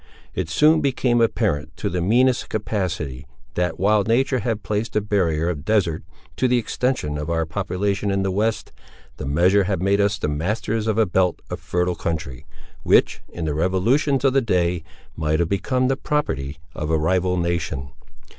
It soon became apparent to the meanest capacity, that, while nature had placed a barrier of desert to the extension of our population in the west, the measure had made us the masters of a belt of fertile country, which, in the revolutions of the day, might have become the property of a rival nation.